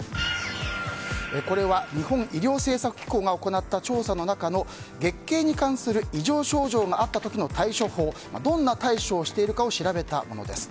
これは日本医療政策機構が行った調査の中の、月経に関する異常症状があった時の対処法についてどんな対処をしているか調べたものです。